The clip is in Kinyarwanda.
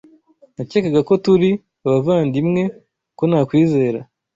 Nakekaga ko turi abavandimwe ko nakwizera.